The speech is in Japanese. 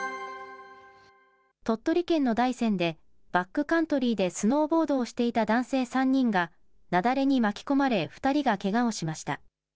鳥取県の大山で、バックカントリーでスノーボードをしていた男性３人が、雪崩に巻き込まれ２人がけがをしました。